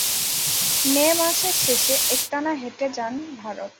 মে মাসের শেষে একটানা হেঁটে যান ভারত।